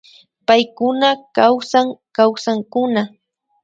Paykuna kawsan kawsankuna